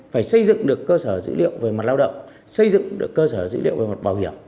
phải xây dựng được cơ sở dữ liệu về mặt lao động xây dựng được cơ sở dữ liệu về mặt bảo hiểm